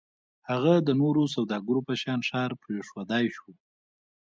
هغه د نورو سوداګرو په شان ښار پرېښودای شو.